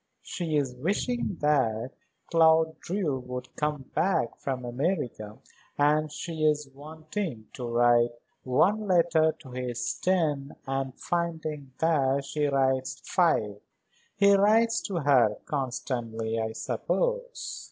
She is wishing that Claude Drew would come back from America, and she is wanting to write one letter to his ten and finding that she writes five. He writes to her constantly, I suppose?"